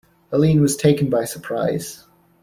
Helene was taken by surprise.